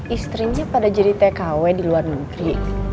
istrinya pada jadi tkw di luar negeri